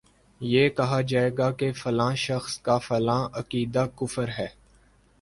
یہ کہا جائے گا کہ فلاں شخص کا فلاں عقیدہ کفر ہے